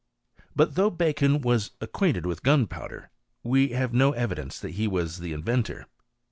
But though Bacon was acquainted with gunpowd we have no evidence that he was the inventor.